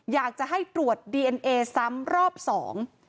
อยากจะให้ตรวจดีเอ็นเนอสัมปีรอปสอง